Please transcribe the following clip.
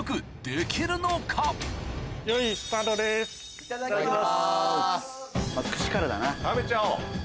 いただきます。